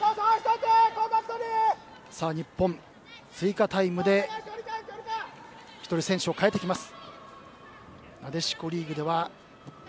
日本は追加タイムで１人、選手を代えます。